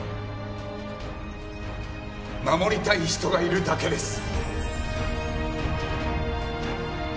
護りたい人がいるだけです。